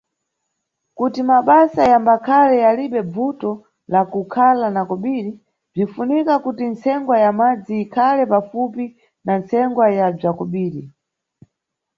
Kuti mabasa yambakhale yalibe bvuto la kukhala na kobiri, bzinʼfunika kuti ntsengwa ya madzi ikhale pafupi na ntsengwa ya bza kobiri.